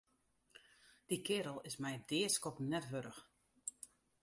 Dy keardel is my it deaskoppen net wurdich.